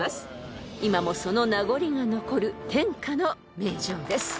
［今もその名残が残る天下の名城です］